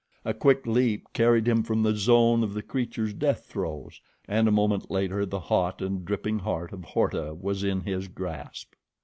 A quick leap carried him from the zone of the creature's death throes, and a moment later the hot and dripping heart of Horta was in his grasp.